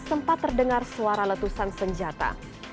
sempat terdengar suara letusan senjata